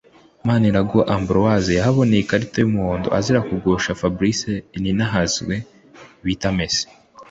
Manirareba Ambroise yahaboneye ikarita y’umuhondo azira kugusha Fabrice Nininahazwe bita Messi